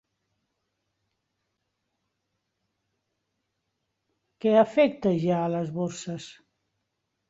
Què afecta ja a les borses?